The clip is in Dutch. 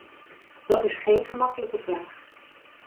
Dat is geen gemakkelijke vraag.